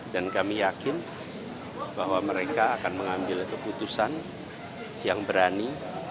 dan kami yakin bahwa mereka akan mengambil keputusan yang berani